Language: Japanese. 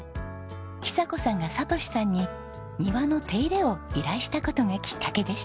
久子さんが哲さんに庭の手入れを依頼した事がきっかけでした。